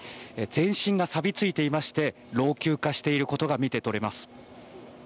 全身がさびついていまして老朽化していることが見て取れます。